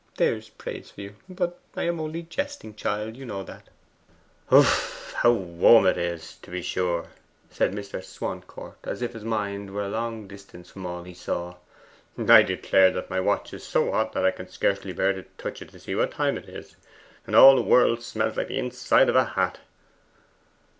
There's praise for you. But I am only jesting, child you know that.' 'Piph ph ph how warm it is, to be sure!' said Mr. Swancourt, as if his mind were a long distance from all he saw. 'I declare that my watch is so hot that I can scarcely bear to touch it to see what the time is, and all the world smells like the inside of a hat.